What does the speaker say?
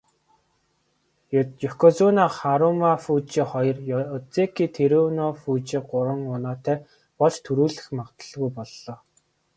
Ёкозүна Харүмафүжи хоёр, озеки Тэрүнофүжи гурван унаатай болж түрүүлэх магадлалгүй боллоо.